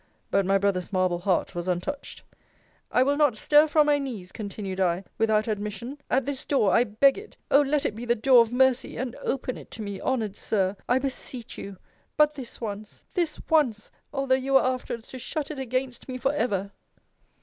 But my brother's marble heart was untouched. I will not stir from my knees, continued I, without admission; at this door I beg it! Oh! let it be the door of mercy! and open it to me, honoured Sir, I beseech you! But this once, this once! although you were afterwards to shut it against me for ever!